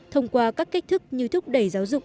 thông qua các cách thức như thúc đẩy giáo dục